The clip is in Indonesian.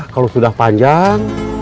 kalau sudah panjang